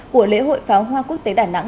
của lễ hội pháo hoa quốc tế đà nẵng